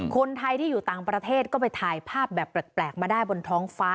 คนไทยที่อยู่ต่างประเทศก็ไปถ่ายภาพแบบแปลกมาได้บนท้องฟ้า